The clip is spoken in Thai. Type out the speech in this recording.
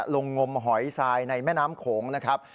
ลงงมหอยทรายในแม่น้ำโขงนะครับ